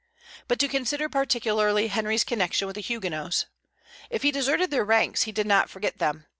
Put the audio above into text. But to consider particularly Henry's connection with the Huguenots. If he deserted their ranks, he did not forget them.